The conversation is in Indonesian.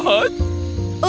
akhirnya aku butuh istirahat